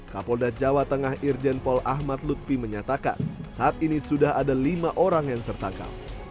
kapolda jawa tengah irjen pol ahmad lutfi menyatakan saat ini sudah ada lima orang yang tertangkap